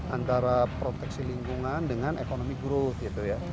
antara proteksi lingkungan dengan ekonomi growth gitu ya